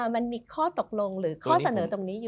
มันมีข้อตกลงหรือข้อเสนอตรงนี้อยู่